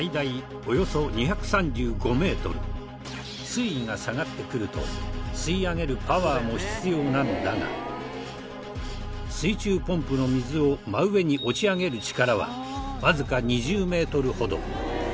水位が下がってくると吸い上げるパワーも必要なのだが水中ポンプの水を真上に押し上げる力はわずか２０メートルほど。